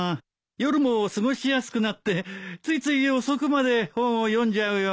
夜も過ごしやすくなってついつい遅くまで本を読んじゃうよ。